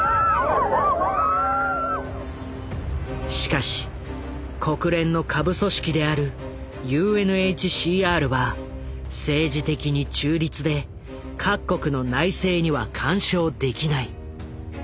しかし国連の下部組織であるＵＮＨＣＲは政治的に中立で各国の内政には干渉できない。